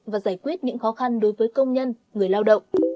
và giải quyết những khó khăn đối với công nhân người lao động